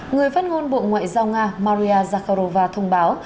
người phát ngôn bộ ngoại giao nga maria zakharova thông báo